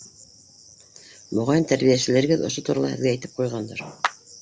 Моғайын, тәрбиәселәрегеҙ ошо турала һеҙгә әйтеп ҡуйғандыр.